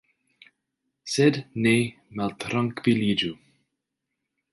Sed ne maltrankviliĝu.